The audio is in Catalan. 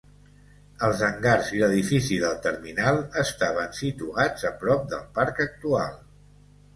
Els hangars i l'edifici del terminal estaven situats a prop del parc actual.